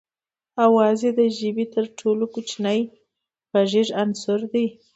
آواز د ژبې تر ټولو کوچنی غږیز عنصر دی